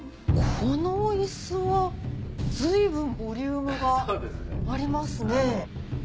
このイスは随分ボリュームがありますね。